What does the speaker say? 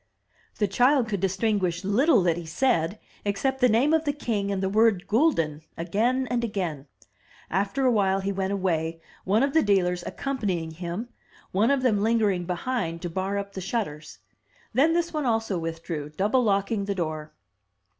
The child could distinguish little that he said, except the name of the king and the word "gulden" again and again. After a while he went away, one of the dealers ac companying him, one of them lingering behind to bar up the 302 THE TREASURE CHEST shuttei*s. Then this one also withdrew, double locking the door.